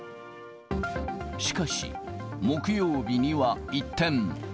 しかし木曜日には一転。